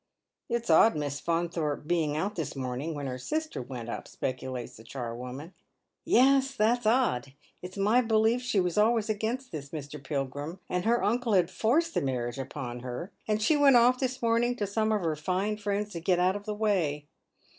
" It's odd Miss Faunthorpe being out this morning, when her sister went up," speculates the charwoman. " Yes, that's odd. It's my belief she was always against this Mr. Pilgiim, and her uncle had forced the maniage upon her, and she went ofl: this morning to some of her fine friends to get out ©f the way.